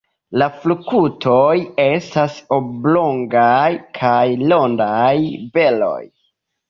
La fruktoj estas oblongaj kaj rondaj beroj.